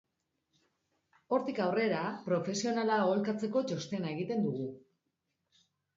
Hortik aurrera, profesionala aholkatzeko txostena egiten dugu.